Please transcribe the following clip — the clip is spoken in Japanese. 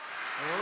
お！